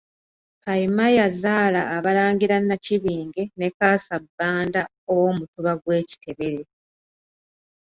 Kayima yazaala Abalangira Nnakibinge ne Kaasa-bbanda ow'Omutuba gw'e Kitebere.